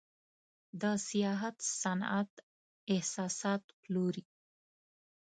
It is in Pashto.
د سیاحت صنعت احساسات پلوري.